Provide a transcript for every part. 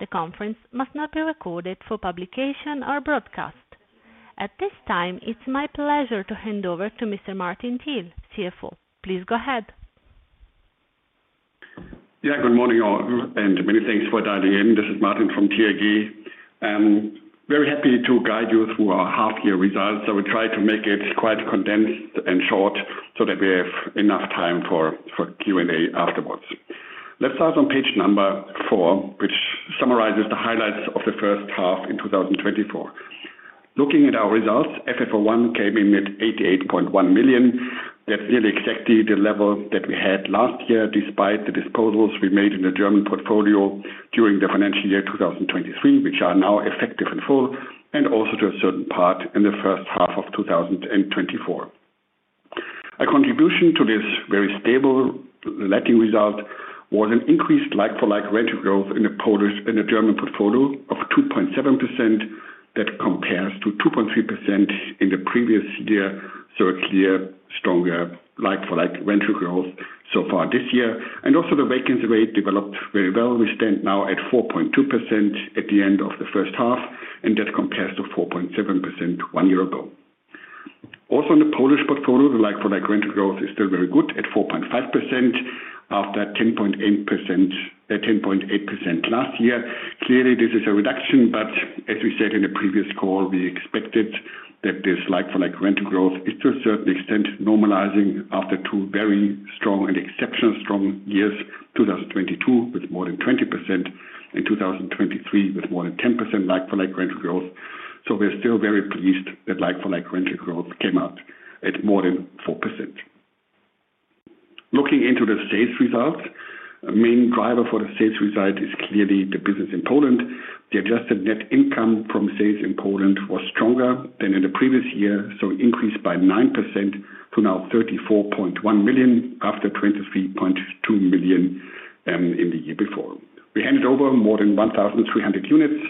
The conference must not be recorded for publication or broadcast. At this time, it's my pleasure to hand over to Mr. Martin Thiel, CFO. Please go ahead. Yeah, good morning, all, and many thanks for dialing in. This is Martin from TAG. I'm very happy to guide you through our half year results. So we try to make it quite condensed and short so that we have enough time for Q&A afterwards. Let's start on page 4, which summarizes the highlights of the first half in 2024. Looking at our results, FFO I came in at 88.1 million. That's really exactly the level that we had last year, despite the disposals we made in the German portfolio during the financial year 2023, which are now effective in full and also to a certain part in the first half of 2024. A contribution to this very stable letting result was an increased like-for-like rental growth in the Polish, in the German portfolio of 2.7%. That compares to 2.3% in the previous year, so a clear, stronger, like-for-like rental growth so far this year. And also the vacancy rate developed very well. We stand now at 4.2% at the end of the first half, and that compares to 4.7% one year ago. Also, in the Polish portfolio, the like-for-like rental growth is still very good at 4.5%, after 10.8%, 10.8% last year. Clearly, this is a reduction, but as we said in the previous call, we expected that this like-for-like rental growth is, to a certain extent, normalizing after two very strong and exceptional strong years, 2022, with more than 20% in 2023, with more than 10% like-for-like rental growth. So we're still very pleased that like-for-like rental growth came out at more than 4%. Looking into the sales results, a main driver for the sales result is clearly the business in Poland. The adjusted net income from sales in Poland was stronger than in the previous year, so increased by 9% to now 34.1 million, after 23.2 million in the year before. We handed over more than 1,300 units,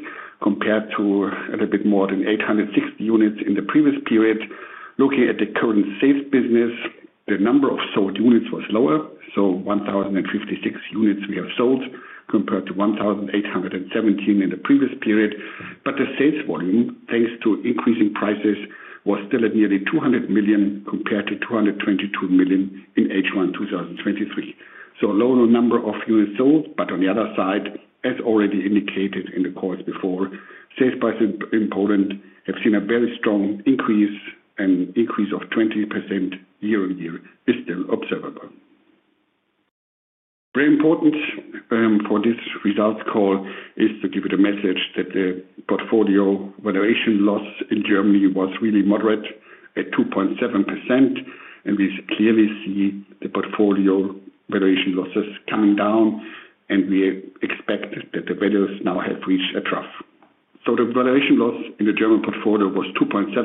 compared to a little bit more than 860 units in the previous period. Looking at the current sales business, the number of sold units was lower, so 1,056 units we have sold, compared to 1,817 in the previous period. But the sales volume, thanks to increasing prices, was still at nearly 200 million, compared to 222 million in H1 2023. So a lower number of units sold, but on the other side, as already indicated in the quarters before, sales price in Poland have seen a very strong increase. An increase of 20% year-over-year is still observable. Very important, for this results call is to give you the message that the portfolio valuation loss in Germany was really moderate at 2.7%, and we clearly see the portfolio valuation losses coming down, and we expect that the values now have reached a trough. So the valuation loss in the German portfolio was 2.7%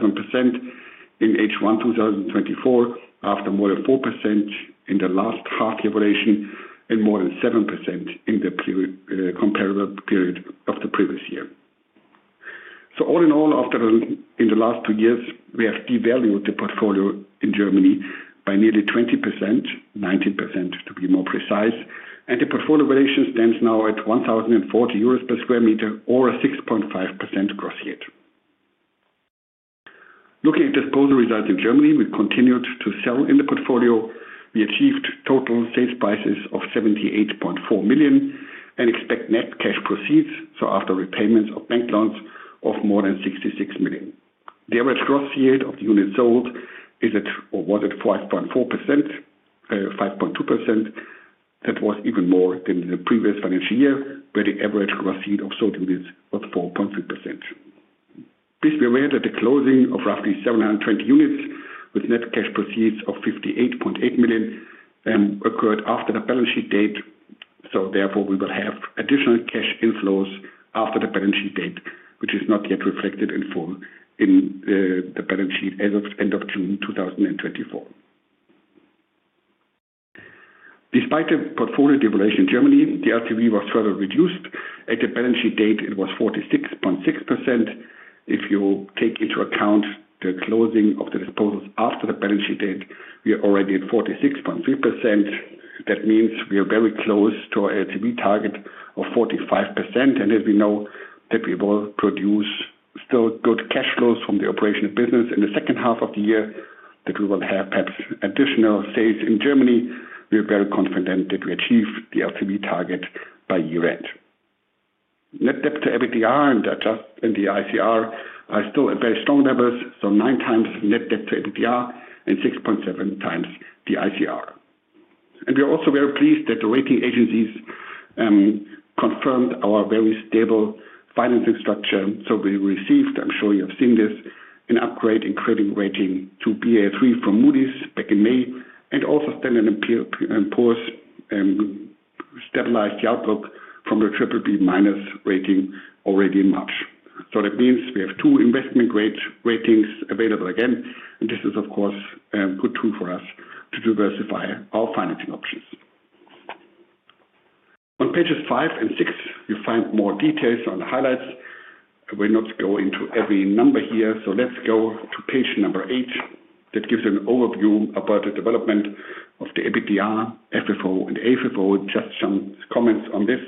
in H1 2024, after more than 4% in the last half year valuation and more than 7% in the period, comparable period of the previous year. So all in all, after in the last two years, we have devalued the portfolio in Germany by nearly 20%, 19% to be more precise, and the portfolio valuation stands now at 1,040 euros per square meter or a 6.5% gross yield. Looking at disposal results in Germany, we continued to sell in the portfolio. We achieved total sales prices of 78.4 million and expect net cash proceeds, so after repayments of bank loans of more than 66 million. The average gross yield of the units sold is at, or was at 5.4%, 5.2%. That was even more than the previous financial year, where the average gross yield of sold units was 4.3%. Please be aware that the closing of roughly 720 units with net cash proceeds of 58.8 million occurred after the balance sheet date, so therefore, we will have additional cash inflows after the balance sheet date, which is not yet reflected in full in the balance sheet as of end of June 2024. Despite the portfolio devaluation in Germany, the LTV was further reduced. At the balance sheet date, it was 46.6%. If you take into account the closing of the disposals after the balance sheet date, we are already at 46.3%. That means we are very close to our LTV target of 45%, and as we know that we will produce still good cash flows from the operational business in the second half of the year, that we will have perhaps additional sales in Germany. We are very confident that we achieve the LTV target by year end. Net debt to EBITDA and the ICR are still at very strong levels, so 9x net debt to EBITDA and 6.7x the ICR. We are also very pleased that the rating agencies confirmed our very stable financing structure. So we received, I'm sure you have seen this, an upgrade in credit rating to Baa3 from Moody's back in May, and also Standard & Poor's stabilized the outlook from a BBB- rating already in March. So that means we have two investment grade ratings available again, and this is, of course, a good tool for us to diversify our financing options. On pages five and six, you find more details on the highlights. I will not go into every number here, so let's go to page number eight. That gives an overview about the development of the EBITDA, FFO, and AFFO. Just some comments on this.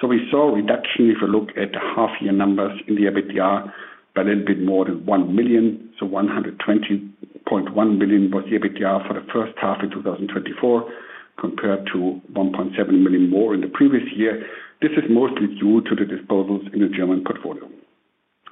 So we saw a reduction, if you look at the half year numbers in the EBITDA, a little bit more than 1 million, so 120.1 million was the EBITDA for the first half in 2024, compared to 1.7 million more in the previous year. This is mostly due to the disposals in the German portfolio.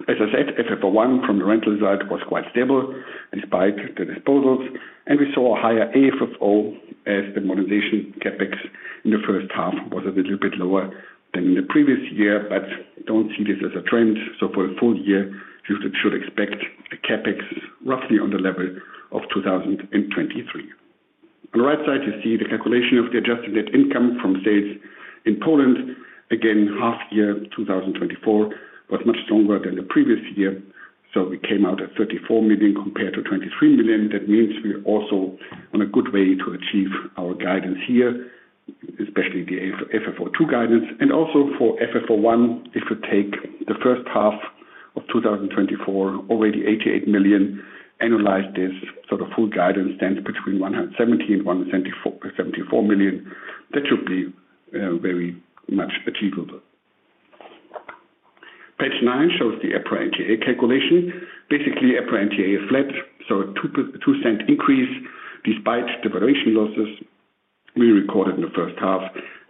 As I said, FFO I from the rental side was quite stable despite the disposals, and we saw a higher AFFO as the modernization CapEx in the first half was a little bit lower than in the previous year, but don't see this as a trend. So for the full year, you should, should expect the CapEx roughly on the level of 2023. On the right side, you see the calculation of the adjusted net income from sales in Poland. Again, half year 2024 was much stronger than the previous year, so we came out at 34 million compared to 23 million. That means we are also on a good way to achieve our guidance here, especially the FFO II guidance, and also for FFO I. If you take the first half of 2024, already 88 million, annualize this, so the full guidance stands between 170 million and 174 million. That should be very much achievable. Page nine shows the EPRA NTA calculation. Basically, EPRA NTA is flat, so 0.02 increase despite the valuation losses we recorded in the first half,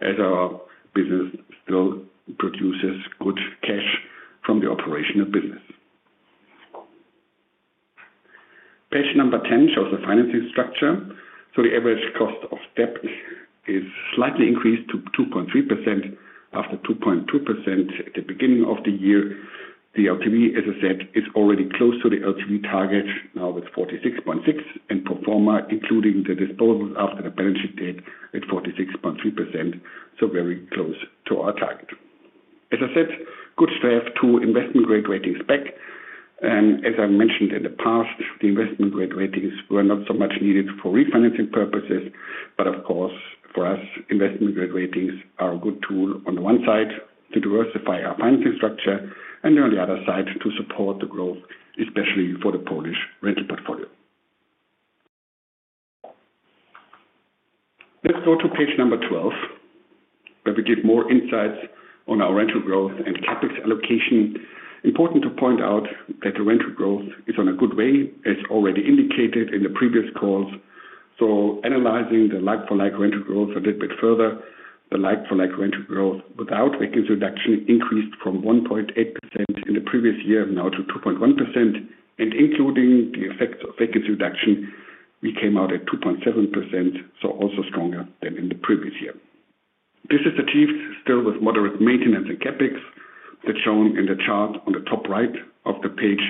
as our business still produces good cash from the operational business. Page 10 shows the financing structure, so the average cost of debt is slightly increased to 2.3% after 2.2% at the beginning of the year. The LTV, as I said, is already close to the LTV target, now with 46.6%, and pro forma, including the disposals after the balance sheet date, at 46.3%, so very close to our target. As I said, good to have two investment-grade ratings back. And as I mentioned in the past, the investment-grade ratings were not so much needed for refinancing purposes, but of course, for us, investment-grade ratings are a good tool on the one side, to diversify our financing structure, and on the other side, to support the growth, especially for the Polish rental portfolio. Let's go to page 12, where we give more insights on our rental growth and CapEx allocation. Important to point out that the rental growth is on a good way, as already indicated in the previous calls. So analyzing the like-for-like rental growth a little bit further, the like-for-like rental growth without vacancy reduction increased from 1.8% in the previous year now to 2.1%. And including the effect of vacancy reduction, we came out at 2.7%, so also stronger than in the previous year. This is achieved still with moderate maintenance and CapEx. That's shown in the chart on the top right of the page,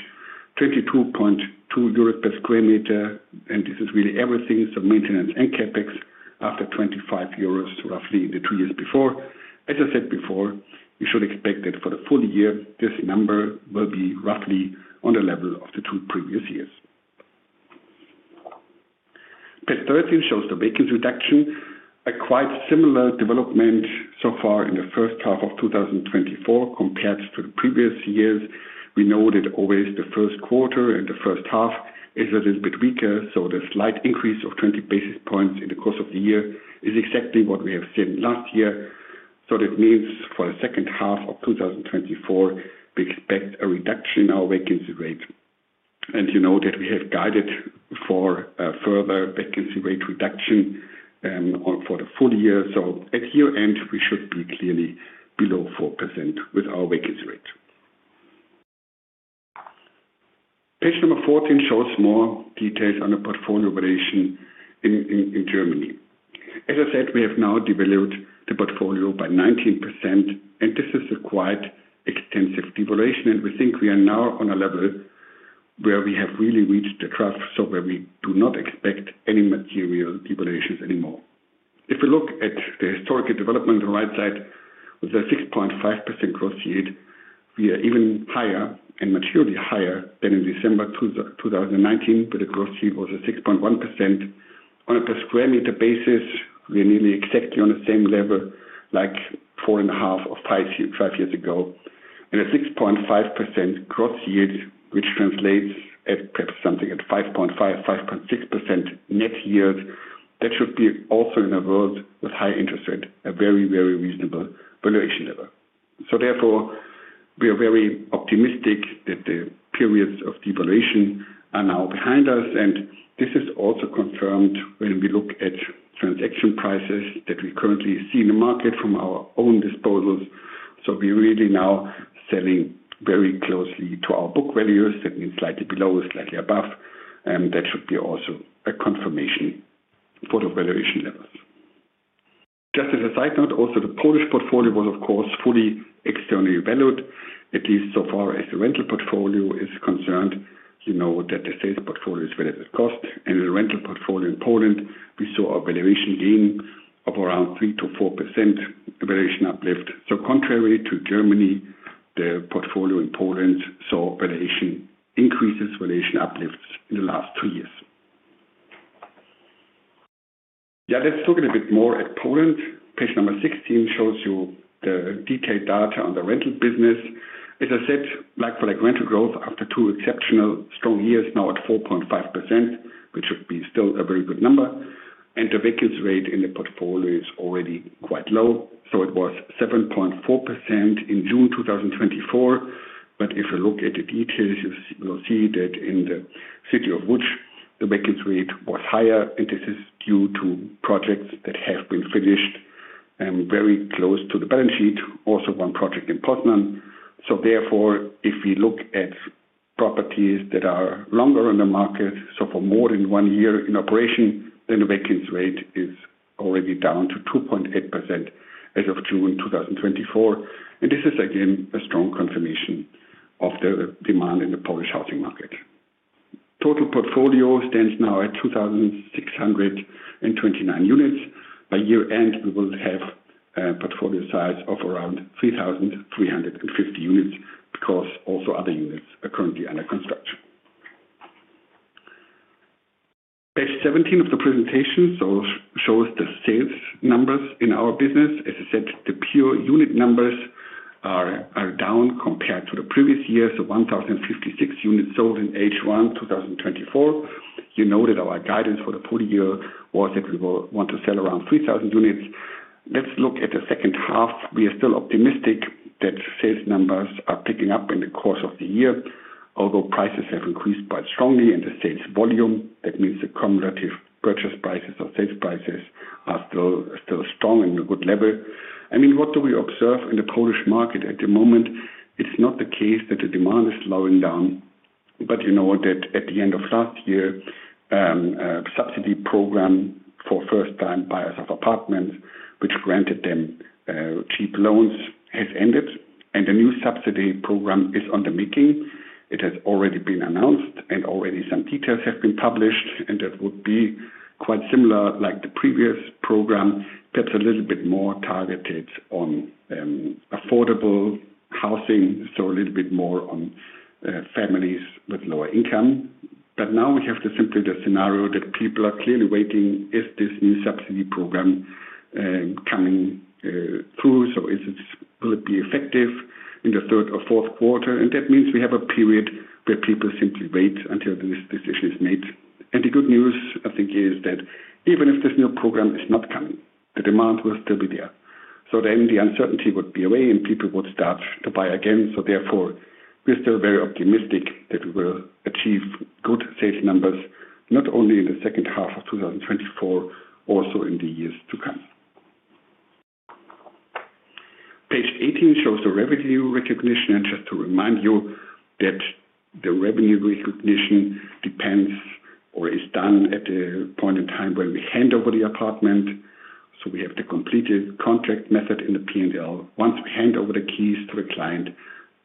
22.2 euros per square meter, and this is really everything, so maintenance and CapEx, after 25 euros, roughly in the two years before. As I said before, you should expect that for the full year, this number will be roughly on the level of the two previous years. Page 13 shows the vacancy reduction, a quite similar development so far in the first half of 2024 compared to the previous years. We know that always the first quarter and the first half is a little bit weaker, so the slight increase of 20 basis points in the course of the year is exactly what we have seen last year. So that means for the second half of 2024, we expect a reduction in our vacancy rate. And you know that we have guided for further vacancy rate reduction on for the full year. So at year-end, we should be clearly below 4% with our vacancy rate. Page number 14 shows more details on the portfolio valuation in Germany. As I said, we have now devalued the portfolio by 19%, and this is a quite extensive devaluation, and we think we are now on a level where we have really reached the trough, so where we do not expect any material devaluations anymore. If you look at the historical development on the right side, with a 6.5% gross yield, we are even higher and materially higher than in December 2019, where the gross yield was at 6.1%. On a per square meter basis, we are nearly exactly on the same level, like four and a half or five years, five years ago. And a 6.5% gross yield, which translates at perhaps something at 5.5%-5.6% net yield, that should be also in a world with high interest rate, a very, very reasonable valuation level. So therefore, we are very optimistic that the periods of devaluation are now behind us, and this is also confirmed when we look at transaction prices that we currently see in the market from our own disposals. So we're really now selling very closely to our book values, that means slightly below or slightly above, and that should be also a confirmation for the valuation levels. Just as a side note, also, the Polish portfolio was, of course, fully externally valued, at least so far as the rental portfolio is concerned. You know that the sales portfolio is valued at cost. In the rental portfolio in Poland, we saw a valuation gain of around 3%-4% valuation uplift. So contrary to Germany, the portfolio in Poland saw valuation increases, valuation uplifts in the last two years… Yeah, let's look a bit more at Poland. Page 16 shows you the detailed data on the rental business. As I said, like-for-like rental growth, after two exceptionally strong years, now at 4.5%, which should be still a very good number. And the vacancy rate in the portfolio is already quite low, so it was 7.4% in June 2024. But if you look at the details, you will see that in the city of Łódź, the vacancy rate was higher, and this is due to projects that have been finished and very close to the balance sheet. Also, one project in Poznań. So therefore, if we look at properties that are longer on the market, so for more than one year in operation, then the vacancy rate is already down to 2.8% as of June 2024. And this is again, a strong confirmation of the demand in the Polish housing market. Total portfolio stands now at 2,629 units. By year-end, we will have portfolio size of around 3,350 units, because also other units are currently under construction. Page 17 of the presentation shows the sales numbers in our business. As I said, the pure unit numbers are down compared to the previous years, so 1,056 units sold in H1 2024. You know that our guidance for the full year was that we will want to sell around 3,000 units. Let's look at the second half. We are still optimistic that sales numbers are picking up in the course of the year, although prices have increased quite strongly in the sales volume, that means the comparative purchase prices or sales prices are still, still strong in a good level. I mean, what do we observe in the Polish market at the moment? It's not the case that the demand is slowing down, but you know that at the end of last year, a subsidy program for first-time buyers of apartments, which granted them cheap loans, has ended, and a new subsidy program is in the making. It has already been announced and already some details have been published, and that would be quite similar, like the previous program, perhaps a little bit more targeted on affordable housing, so a little bit more on families with lower income. But now we have to simplify the scenario that people are clearly waiting. Is this new subsidy program coming through, so will it be effective in the third or fourth quarter? And that means we have a period where people simply wait until this decision is made. And the good news, I think, is that even if this new program is not coming, the demand will still be there. So then the uncertainty would be away and people would start to buy again. So therefore, we're still very optimistic that we will achieve good sales numbers, not only in the second half of 2024, also in the years to come. Page 18 shows the revenue recognition. Just to remind you that the revenue recognition depends or is done at the point in time when we hand over the apartment. So we have the completed contract method in the P&L. Once we hand over the keys to the client,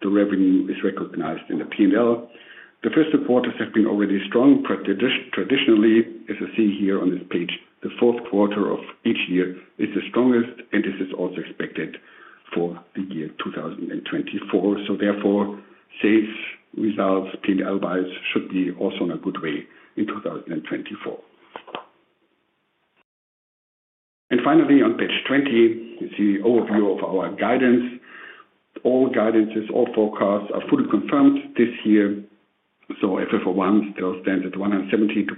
the revenue is recognized in the P&L. The first reporters have been already strong. Traditionally, as you see here on this page, the fourth quarter of each year is the strongest, and this is also expected for the year 2024. So therefore, sales results, P&L-wise should be also in a good way in 2024. And finally, on page 20, you see overview of our guidance. All guidances, all forecasts are fully confirmed this year. So FFO I still stands at 170-174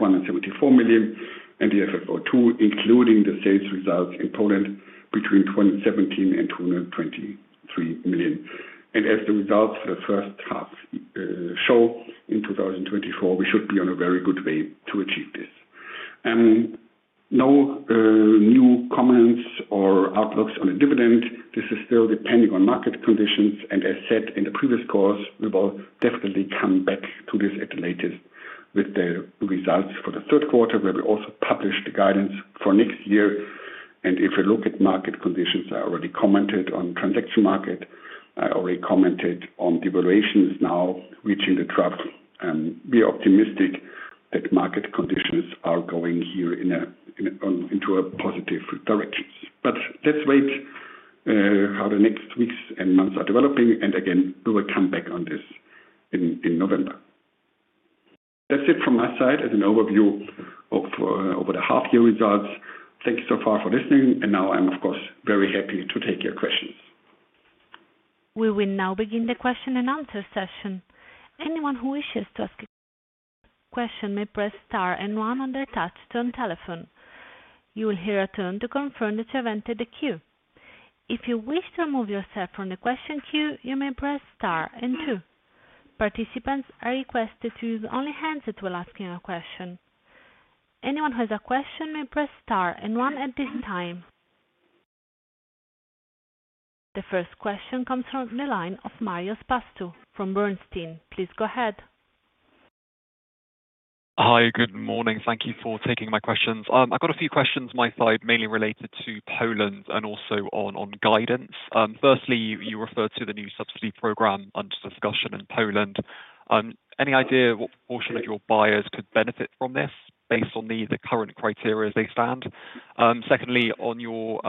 million, and the FFO II, including the sales results in Poland between 217-223 million. As the results for the first half show, in 2024, we should be on a very good way to achieve this. No new comments or outlooks on the dividend. This is still depending on market conditions, and as said in the previous course, we will definitely come back to this at the latest with the results for the third quarter, where we also publish the guidance for next year. If you look at market conditions, I already commented on transaction market. I already commented on the valuations now reaching the trough, and we are optimistic that market conditions are going here into a positive direction. But let's wait how the next weeks and months are developing, and again, we will come back on this in November. That's it from my side as an overview of over the half year results. Thank you so far for listening. And now I'm of course, very happy to take your questions. We will now begin the question and answer session. Anyone who wishes to ask a question may press star and one on their touch-tone telephone. You will hear a tone to confirm that you've entered the queue. If you wish to remove yourself from the question queue, you may press star and two. Participants are requested to use only handsets when asking a question. Anyone who has a question may press star and one at this time. The first question comes from the line of Marios Pastou from Bernstein. Please go ahead. Hi, good morning. Thank you for taking my questions. I've got a few questions on my side, mainly related to Poland and also on guidance. Firstly, you referred to the new subsidy program under discussion in Poland. Any idea what proportion of your buyers could benefit from this based on the current criteria as they stand? Secondly, on your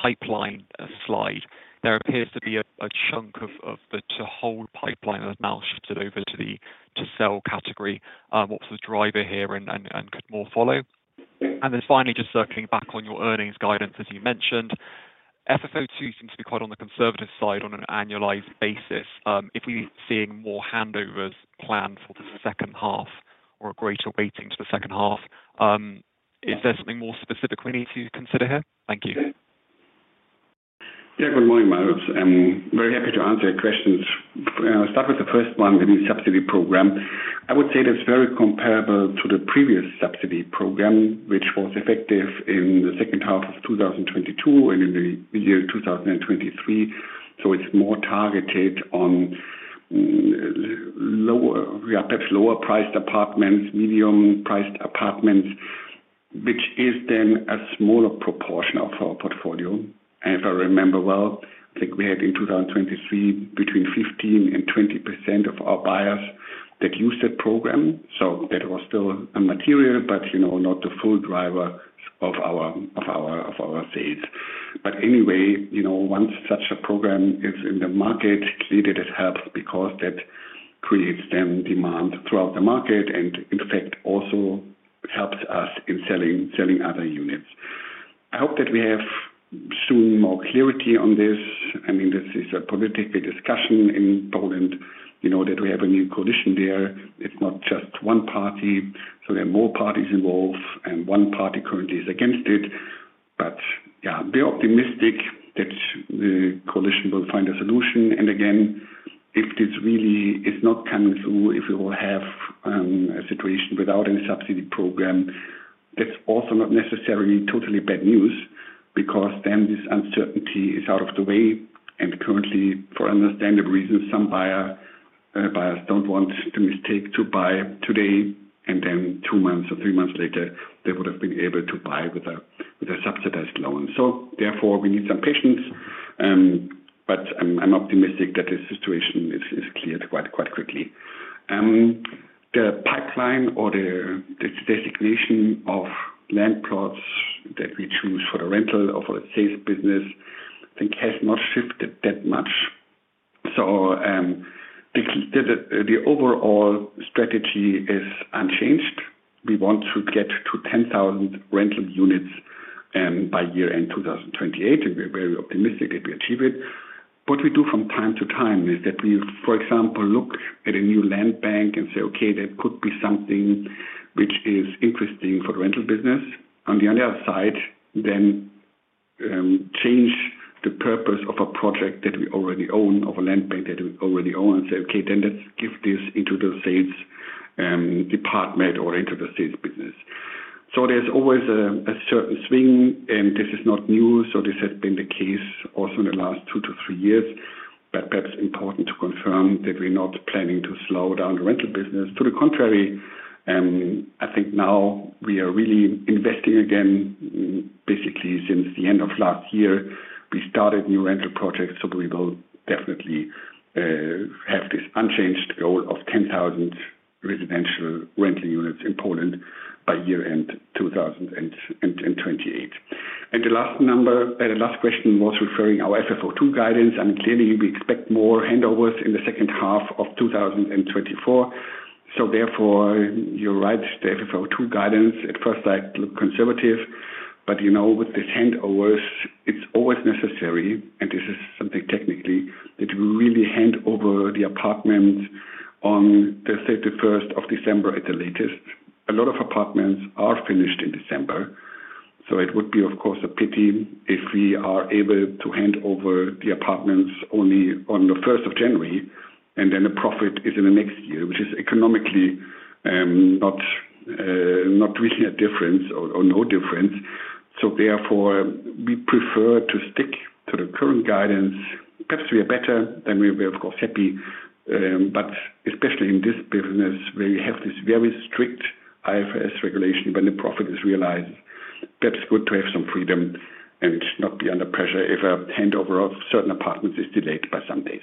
pipeline slide, there appears to be a chunk of the to-hold pipeline that now shifted over to the to-sell category. What was the driver here? And could more follow? And then finally, just circling back on your earnings guidance, as you mentioned, FFO II seems to be quite on the conservative side on an annualized basis. If we're seeing more handovers planned for the second half or a greater weighting to the second half, is there something more specific we need to consider here? Thank you. Yeah. Good morning, Marios. I'm very happy to answer your questions. Start with the first one, the new subsidy program. I would say that's very comparable to the previous subsidy program, which was effective in the second half of 2022 and in the year 2023. So it's more targeted on lower... Yeah, perhaps lower-priced apartments, medium-priced apartments, which is then a smaller proportion of our portfolio. And if I remember well, I think we had in 2023, between 15% and 20% of our buyers that used that program. So that was still a material, but, you know, not the full driver of our, of our, of our sales. But anyway, you know, once such a program is in the market, clearly that helps because that creates then demand throughout the market, and in fact, also helps us in selling, selling other units. I hope that we have soon more clarity on this. I mean, this is a political discussion in Poland. You know, that we have a new coalition there. It's not just one party, so there are more parties involved, and one party currently is against it. But yeah, we are optimistic that the coalition will find a solution. And again, if this really is not coming through, if we will have a situation without any subsidy program, that's also not necessarily totally bad news, because then this uncertainty is out of the way. Currently, for understandable reasons, some buyers don't want the mistake to buy today, and then two months or three months later, they would have been able to buy with a subsidized loan. So therefore, we need some patience. But I'm optimistic that this situation is cleared quite quickly. The pipeline or the designation of land plots that we choose for the rental or for the sales business, I think, has not shifted that much. So, the overall strategy is unchanged. We want to get to 10,000 rental units by year-end 2028, and we're very optimistic that we achieve it. What we do from time to time is that we, for example, look at a new land bank and say, "Okay, there could be something which is interesting for the rental business." On the other side, then, change the purpose of a project that we already own, of a land bank that we already own, and say, "Okay, then let's give this into the sales, department or into the sales business." So there's always a, a certain swing, and this is not new. So this has been the case also in the last two to three years, but perhaps important to confirm that we're not planning to slow down the rental business. To the contrary, I think now we are really investing again. Basically, since the end of last year, we started new rental projects, so we will definitely have this unchanged goal of 10,000 residential rental units in Poland by year-end 2028. And the last number, the last question was referring our FFO II guidance, and clearly we expect more handovers in the second half of 2024. So therefore, you're right, the FFO II guidance at first sight look conservative, but you know, with this handovers, it's always necessary, and this is something technically, that we really hand over the apartment on the 31st of December at the latest. A lot of apartments are finished in December, so it would be, of course, a pity if we are able to hand over the apartments only on the first of January, and then the profit is in the next year, which is economically not really a difference or, or no difference. So therefore, we prefer to stick to the current guidance. Perhaps we are better, then we'll be, of course, happy. But especially in this business, where you have this very strict IFRS regulation, when the profit is realized, perhaps good to have some freedom and not be under pressure if a handover of certain apartments is delayed by some days.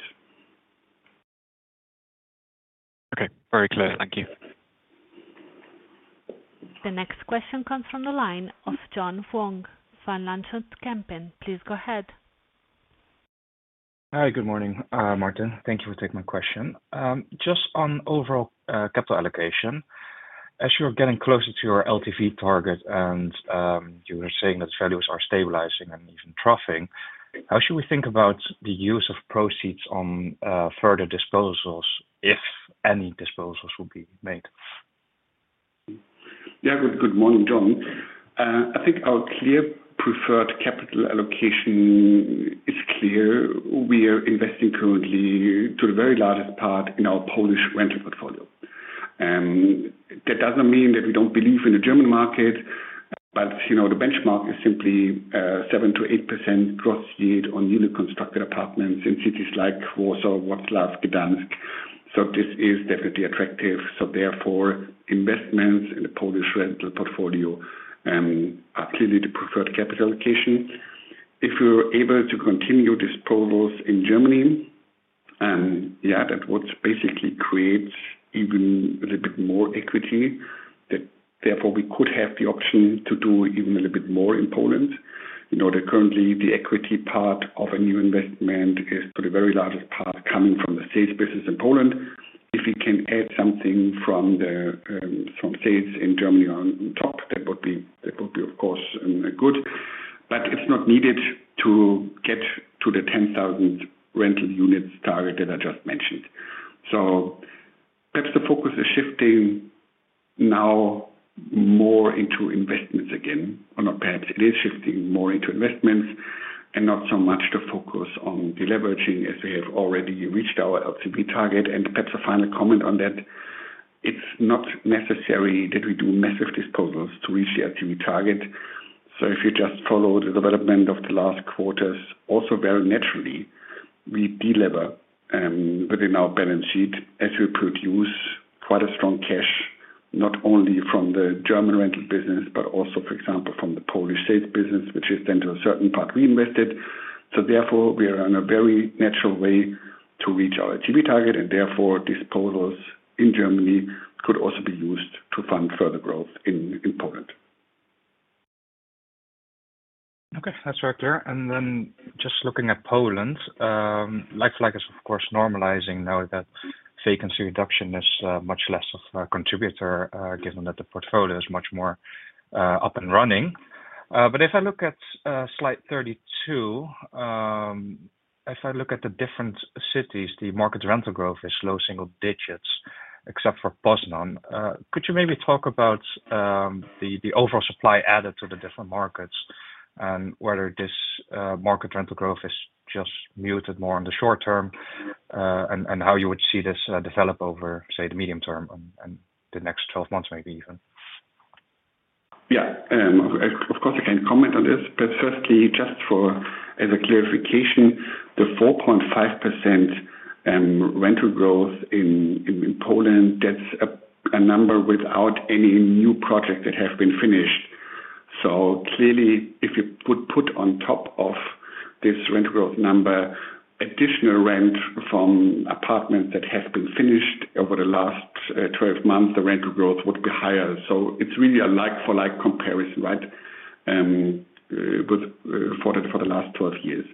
Okay, very clear. Thank you. The next question comes from the line of John Vuong, Van Lanschot Kempen. Please go ahead. Hi, good morning, Martin. Thank you for taking my question. Just on overall capital allocation, as you're getting closer to your LTV target and you were saying that values are stabilizing and even troughing, how should we think about the use of proceeds on further disposals, if any disposals will be made? Yeah. Good, good morning, John. I think our clear preferred capital allocation is clear. We are investing currently to the very largest part in our Polish rental portfolio. That doesn't mean that we don't believe in the German market, but, you know, the benchmark is simply, seven to eight percent gross yield on newly constructed apartments in cities like Warsaw, Wrocław, Gdańsk. So this is definitely attractive. So therefore, investments in the Polish rental portfolio are clearly the preferred capital allocation. If we were able to continue disposals in Germany. And yeah, that what's basically creates even a little bit more equity, that therefore, we could have the option to do even a little bit more in Poland. You know, that currently the equity part of a new investment is for the very largest part coming from the sales business in Poland. If we can add something from the, from sales in Germany on, on top, that would be, that would be, of course, good, but it's not needed to get to the 10,000 rental units target that I just mentioned. So perhaps the focus is shifting now more into investments again, or not perhaps, it is shifting more into investments and not so much the focus on deleveraging, as we have already reached our LTV target. And perhaps a final comment on that, it's not necessary that we do massive disposals to reach the LTV target. So if you just follow the development of the last quarters, also very naturally, we delever, within our balance sheet as we produce quite a strong cash, not only from the German rental business, but also, for example, from the Polish sales business, which is then to a certain part, reinvested. Therefore, we are on a very natural way to reach our LTV target, and therefore, disposals in Germany could also be used to fund further growth in Poland. Okay, that's very clear. And then just looking at Poland, like, like-for-like is of course normalizing now that vacancy reduction is much less of a contributor, given that the portfolio is much more up and running. But if I look at slide 32, if I look at the different cities, the market rental growth is low single digits, except for Poznań. Could you maybe talk about the overall supply added to the different markets? And whether this market rental growth is just muted more in the short term, and how you would see this develop over, say, the medium term and the next 12 months, maybe even. Yeah, of course, I can comment on this. But firstly, just as a clarification, the 4.5% rental growth in Poland, that's a number without any new project that has been finished. So clearly, if you would put on top of this rental growth number, additional rent from apartments that have been finished over the last 12 months, the rental growth would be higher. So it's really a like-for-like comparison, right? With the last 12 years.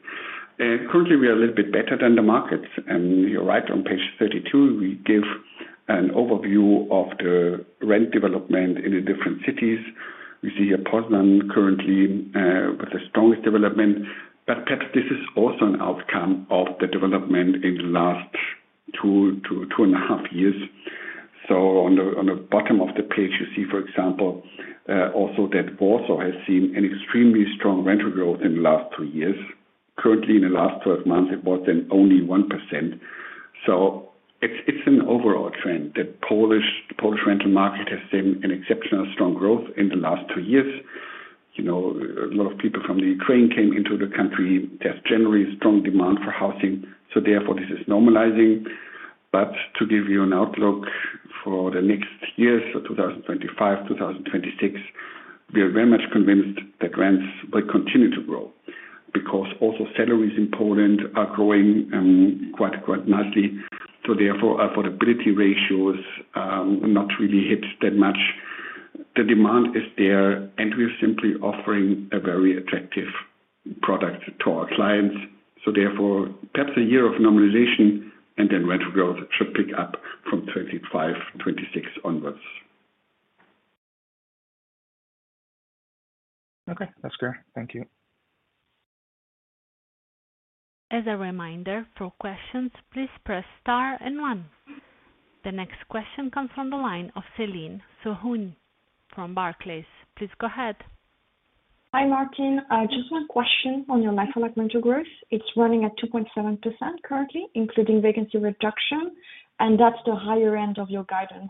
Currently, we are a little bit better than the markets, and you're right, on page 32, we give an overview of the rent development in the different cities. We see here Poznań currently with the strongest development, but perhaps this is also an outcome of the development in the last 2-2.5 years. So on the bottom of the page, you see, for example, also that Warsaw has seen an extremely strong rental growth in the last 2 years. Currently, in the last 12 months, it was then only 1%. So it's an overall trend. The Polish rental market has seen an exceptional strong growth in the last 2 years. You know, a lot of people from the Ukraine came into the country. There's generally strong demand for housing, so therefore this is normalizing. But to give you an outlook for the next years, so 2025, 2026, we are very much convinced that rents will continue to grow because also salaries in Poland are growing quite, quite nicely, so therefore, affordability ratios not really hit that much. The demand is there, and we are simply offering a very attractive product to our clients. So therefore, perhaps a year of normalization, and then rental growth should pick up from 2025, 2026 onwards. Okay, that's clear. Thank you. As a reminder, for questions, please press star and one. The next question comes from the line of Céline Quirot from Barclays. Please go ahead. Hi, Martin. Just one question on your like-for-like rental growth. It's running at 2.7% currently, including vacancy reduction, and that's the higher end of your guidance.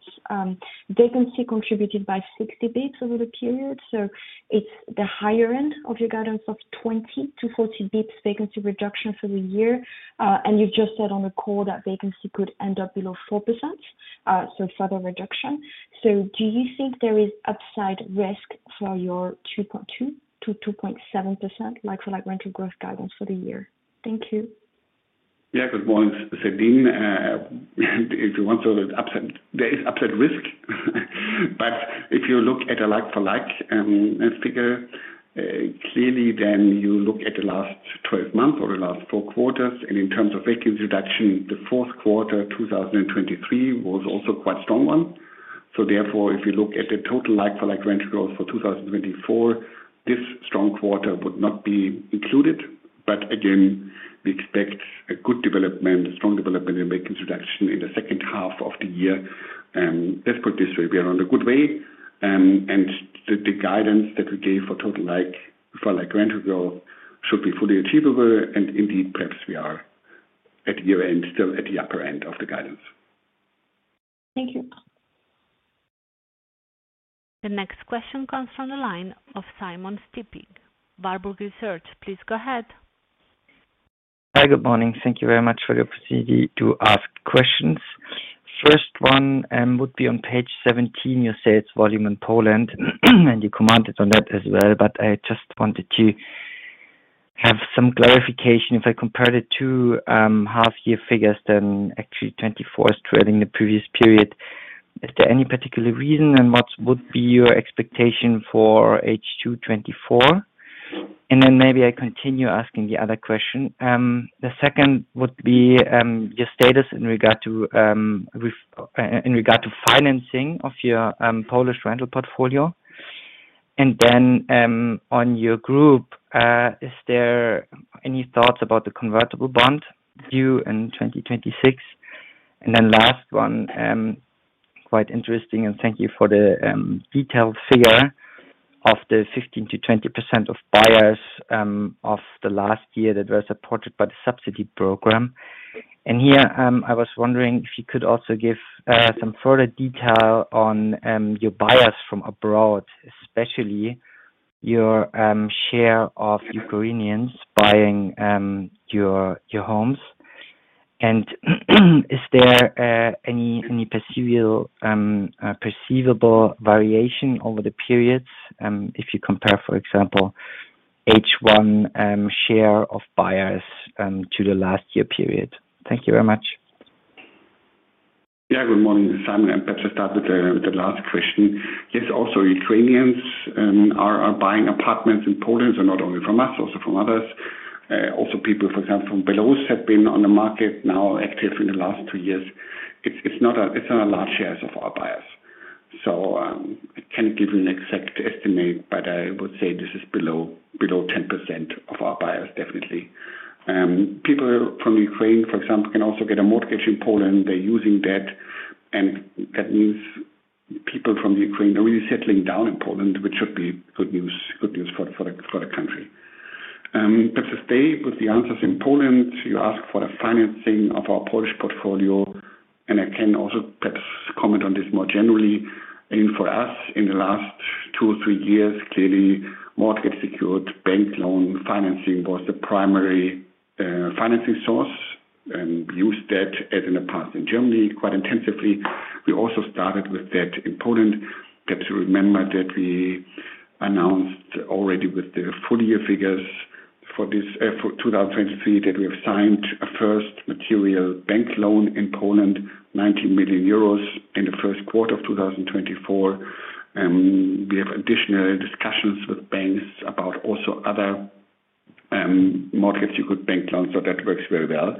Vacancy contributed by 60 basis points over the period, so it's the higher end of your guidance of 20-40 basis points vacancy reduction for the year. And you've just said on the call that vacancy could end up below 4%, so further reduction. So do you think there is upside risk for your 2.2%-2.7% like-for-like rental growth guidance for the year? Thank you. Yeah. Good morning, Céline. If you want to look upside, there is upside risk. But if you look at a like for like figure, clearly, then you look at the last 12 months or the last 4 quarters, and in terms of vacancy reduction, the fourth quarter 2023 was also quite strong one. So therefore, if you look at the total like for like rental growth for 2024, this strong quarter would not be included. But again, we expect a good development, a strong development in vacancy reduction in the second half of the year. Let's put it this way, we are on a good way, and the, the guidance that we gave for total like for like rental growth should be fully achievable, and indeed, perhaps we are at year-end, still at the upper end of the guidance. Thank you. The next question comes from the line of Simon Stippig, Warburg Research. Please go ahead. Hi, good morning. Thank you very much for the opportunity to ask questions. First one would be on page 17. You say it's volume in Poland, and you commented on that as well, but I just wanted to have some clarification. If I compared it to half year figures, then actually 2024 trailing the previous period. Is there any particular reason, and what would be your expectation for H2 2024? And then maybe I continue asking the other question. The second would be your status in regard to with in regard to financing of your Polish rental portfolio. And then on your group, is there any thoughts about the convertible bond due in 2026? And then last one, quite interesting, and thank you for the detailed figure of the 15%-20% of buyers of the last year that were supported by the subsidy program. And here, I was wondering if you could also give some further detail on your buyers from abroad, especially your share of Ukrainians buying your homes. And is there any perceivable variation over the periods, if you compare, for example, H1 share of buyers to the last year period? Thank you very much. Yeah. Good morning, Simon. And perhaps start with the last question. Yes, also, Ukrainians are buying apartments in Poland, so not only from us, also from others. Also people, for example, from Belarus, have been on the market now, active in the last two years. It's not a large share of our buyers. So, I can't give you an exact estimate, but I would say this is below 10% of our buyers, definitely. People from Ukraine, for example, can also get a mortgage in Poland. They're using that, and that means people from Ukraine are really settling down in Poland, which should be good news for the country. But to stay with the answers in Poland, you ask for the financing of our Polish portfolio, and I can also perhaps comment on this more generally. I mean, for us, in the last 2-3 years, clearly, mortgage secured bank loan financing was the primary financing source, and we used that as in the past in Germany, quite intensively. We also started with that in Poland. Perhaps you remember that we announced already with the full year figures for this, for 2023, that we have signed a first material bank loan in Poland, 90 million euros in the first quarter of 2024. We have additional discussions with banks about also other mortgage secured bank loans, so that works very well.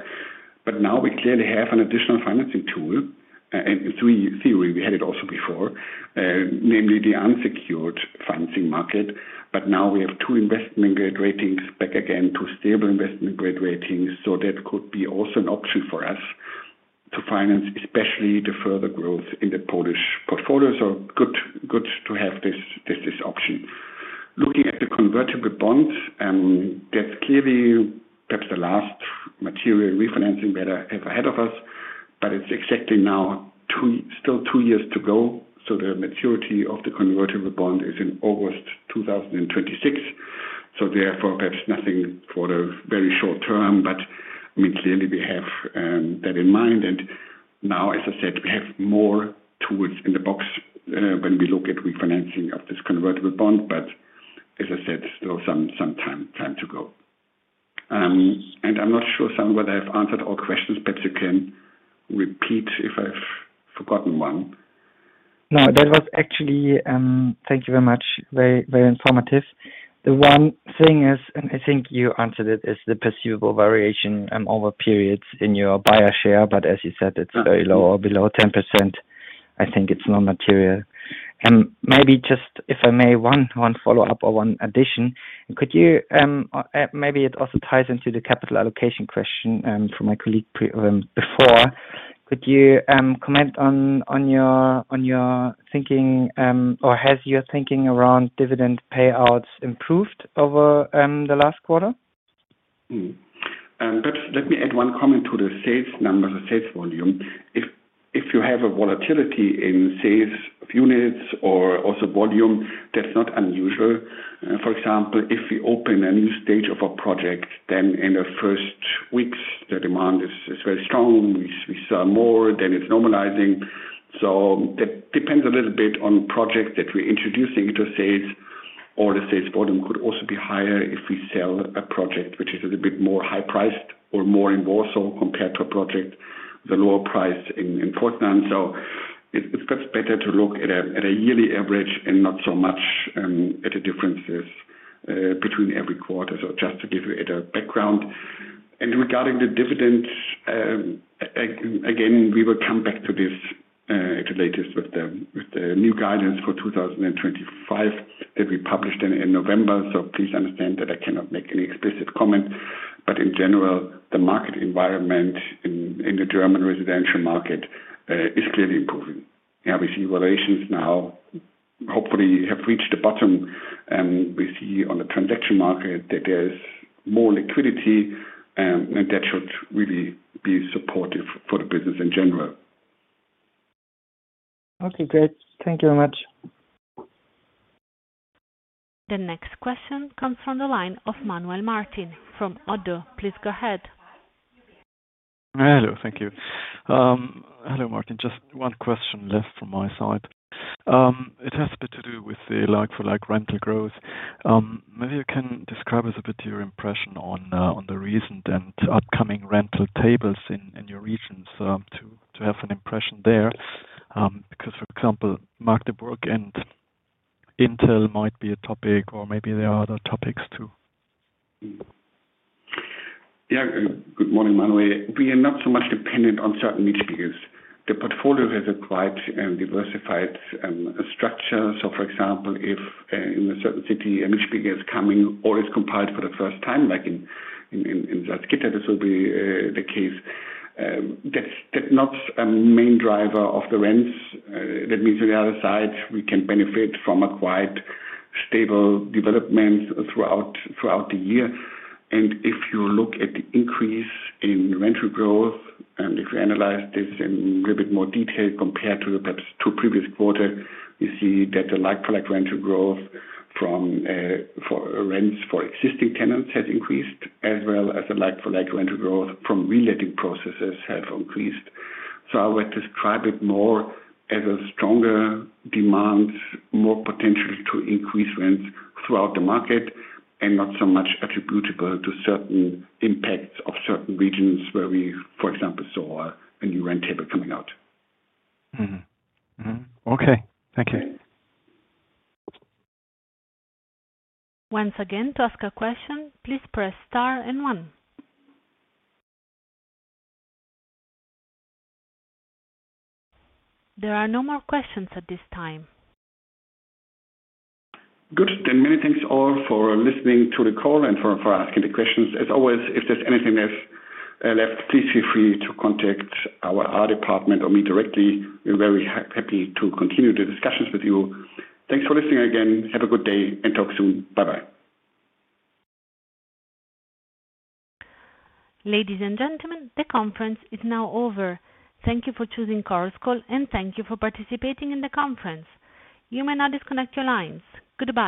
But now we clearly have an additional financing tool, and so we had it also before, namely the unsecured financing market. But now we have two Investment Grade ratings back again to stable Investment Grade ratings, so that could be also an option for us to finance, especially the further growth in the Polish portfolios. So good to have this option. Looking at the convertible bonds, that's clearly perhaps the last material refinancing that are ahead of us, but it's exactly now two. Still two years to go, so the maturity of the convertible bond is in August 2026. So therefore, perhaps nothing for the very short term, but I mean, clearly we have that in mind. And now, as I said, we have more tools in the box, when we look at refinancing of this convertible bond. As I said, still some time to go. And I'm not sure, Simon, whether I've answered all questions, but you can repeat if I've forgotten one. No, that was actually. Thank you very much. Very, very informative. The one thing is, and I think you answered it, is the perceivable variation over periods in your buyer share, but as you said, it's very low, below 10%. I think it's non-material. Maybe just if I may, one follow-up or one addition. Could you, maybe it also ties into the capital allocation question from my colleague prior before. Could you comment on your thinking or has your thinking around dividend payouts improved over the last quarter? Mm-hmm. But let me add one comment to the sales numbers, the sales volume. If you have a volatility in sales of units or also volume, that's not unusual. For example, if we open a new stage of a project, then in the first weeks, the demand is very strong. We sell more, then it's normalizing. So that depends a little bit on project that we're introducing to sales, or the sales volume could also be higher if we sell a project which is a bit more high priced or more in Warsaw, compared to a project, the lower price in Poznań. So it's perhaps better to look at a yearly average and not so much at the differences between every quarter. So just to give you a background. Regarding the dividends, again, we will come back to this, at the latest with the new guidance for 2025 that we published in November. Please understand that I cannot make any explicit comment. In general, the market environment in the German residential market is clearly improving. Yeah, we see valuations now, hopefully have reached the bottom, and we see on the transaction market that there's more liquidity, and that should really be supportive for the business in general. Okay, great. Thank you very much. The next question comes from the line of Manuel Martin from Oddo. Please go ahead. Hello, thank you. Hello, Martin. Just one question left from my side. It has a bit to do with the like-for-like rental growth. Maybe you can describe us a bit your impression on, on the recent and upcoming rental tables in, in your regions, to have an impression there. Because, for example, Magdeburg and Intel might be a topic or maybe there are other topics, too. Yeah. Good morning, Manuel. We are not so much dependent on certain rent figures. The portfolio has acquired and diversified structure. So for example, if in a certain city, a new figure is coming or is compiled for the first time, like in Salzgitter, this will be the case. That's not a main driver of the rents. That means on the other side, we can benefit from a quite stable development throughout the year. And if you look at the increase in rental growth, and if you analyze this in a little bit more detail compared to the perhaps two previous quarter, you see that the like-for-like rental growth from for rents for existing tenants has increased, as well as the like-for-like rental growth from relating processes have increased. I would describe it more as a stronger demand, more potential to increase rents throughout the market, and not so much attributable to certain impacts of certain regions where we, for example, saw a new rent table coming out. Mm-hmm, mm-hmm. Okay, thank you. Once again, to ask a question, please press star and one. There are no more questions at this time. Good. Then many thanks all for listening to the call and for asking the questions. As always, if there's anything left, please feel free to contact our IR department or me directly. We're very happy to continue the discussions with you. Thanks for listening again. Have a good day and talk soon. Bye-bye. Ladies and gentlemen, the conference is now over. Thank you for choosing Chorus Call, and thank you for participating in the conference. You may now disconnect your lines. Goodbye.